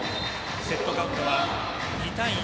セットカウントは２−１